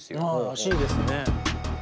らしいですね。